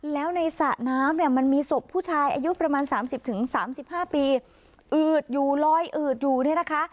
แล้วในสระน้ำเนี่ยมันมีศพผู้ชายอายุประมาณสามสิบถึงสามสิบห้าปีอืดอยู่ร้อยอืดอยู่นี่นะคะ